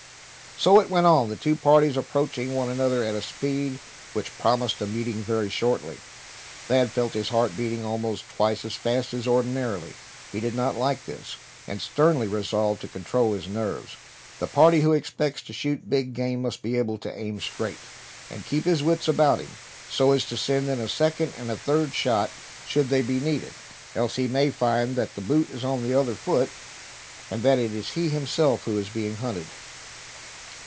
So it went on, the two parties approaching one another at a speed which promised a meeting very shortly. Thad felt his heart beating almost twice as fast as ordinarily. He did not like this, and sternly resolved to control his nerves. The party who expects to shoot big game must be able to aim straight, and keep his wits about him, so as to send in a second and a third shot, should they be needed; else he may find that the boot is on the other foot, and that it is he himself who is being hunted.